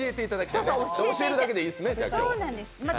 教えるだけでいいですね、今日。